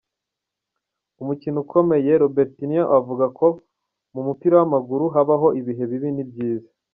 umukino ukomeye, Robertinho avuga ko mu mupira w’amaguru habaho ibihe bibi n’ibyiza